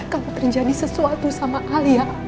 kalau terjadi sesuatu sama alia